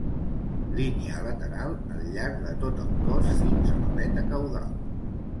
Línia lateral al llarg de tot el cos fins a l'aleta caudal.